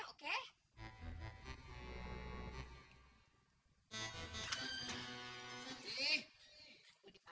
ayo cepetan masuk iya datu